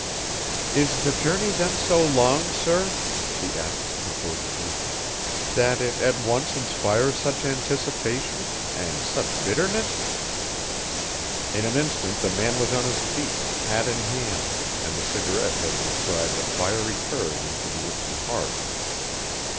"Is the journey then so long, sir," she asked composedly, "that it at once inspires such anticipations and such bitterness?" In an instant the man was on his feet, hat in hand, and the cigarette had described a fiery curve into the empty hearth.